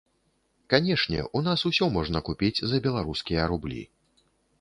Канешне, у нас усё можна купіць за беларускія рублі.